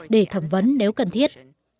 để thẩm vấn nếu cần thiết